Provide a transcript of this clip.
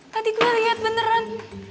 tadi gue liat beneran